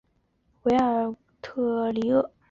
韦尔特里厄。